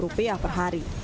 rp satu per hari